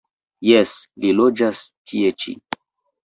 Jes, li loĝas tie ĉi.